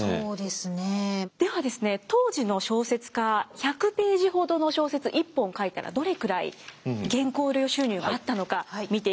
ではですね当時の小説家１００ページほどの小説１本書いたらどれくらい原稿料収入があったのか見ていきます。